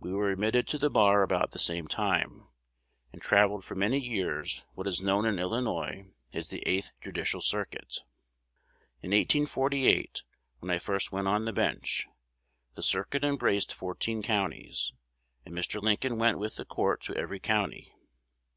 We were admitted to the bar about the same time, and travelled for many years what is known in Illinois as the Eighth Judicial Circuit. In 1848, when I first went on the bench, the circuit embraced fourteen counties, and Mr. Lincoln went with the court to every county.